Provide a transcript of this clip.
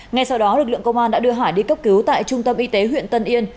ngay sau đó lực lượng công an đã đưa hải đi cấp cứu tại trung tâm y tế huyện tân yên